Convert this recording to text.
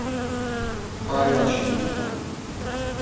Fare la civetta.